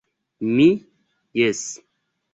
Mi, jes.